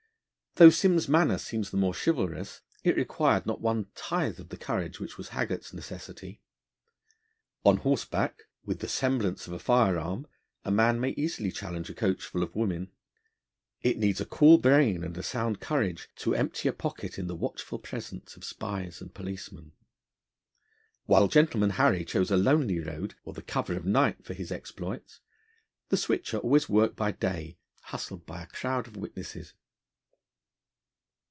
Though Simm's manner seems the more chivalrous, it required not one tithe of the courage which was Haggart's necessity. On horseback, with the semblance of a fire arm, a man may easily challenge a coachful of women. It needs a cool brain and a sound courage to empty a pocket in the watchful presence of spies and policemen. While Gentleman Harry chose a lonely road, or the cover of night for his exploits, the Switcher always worked by day, hustled by a crowd of witnesses.